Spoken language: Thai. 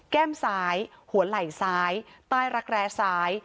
แก้มซ้ายหัวไหล่ซ้ายตายระแกรซ้าย